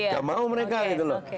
gak mau mereka gitu loh